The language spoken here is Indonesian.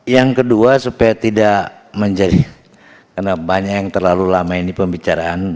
yang kedua supaya tidak menjadi karena banyak yang terlalu lama ini pembicaraan